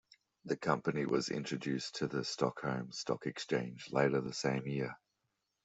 The company was introduced to the Stockholm Stock Exchange later the same year.